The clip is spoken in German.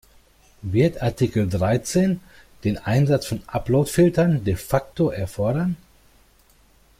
Wird Artikel Dreizehn den Einsatz von Upload-Filtern de facto erfordern?